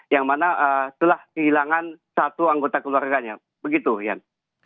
yang mana telah kehilangan satu anggota keluarganya begitu rian